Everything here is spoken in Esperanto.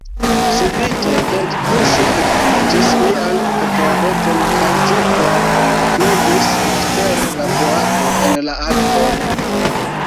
Subite ventpuŝo ekkaptis mian papereton kaj ĝi forflugis ekster la boato en la akvon.